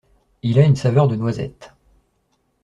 Il a une saveur de noisettes.